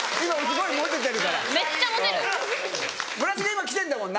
今きてんだもんな。